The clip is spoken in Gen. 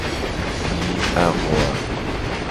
Yi ahua.